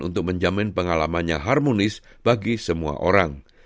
untuk menjamin pengalamannya harmonis bagi semua orang